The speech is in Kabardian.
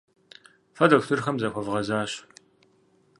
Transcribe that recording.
Фэ дохутырхэм захуэвгъэзащ.